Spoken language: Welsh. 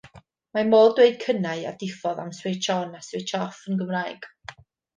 Mae modd dweud cynnau a diffodd am ‘switch on' a ‘switch off' yn Gymraeg.